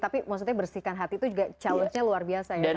tapi maksudnya bersihkan hati itu juga challenge nya luar biasa ya